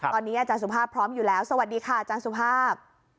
ตอนนี้อาจารย์สุภาพพร้อมอยู่แล้วสวัสดีค่ะอาจารย์สุภาพ